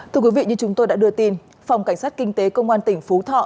thưa quý vị như chúng tôi đã đưa tin phòng cảnh sát kinh tế công an tỉnh phú thọ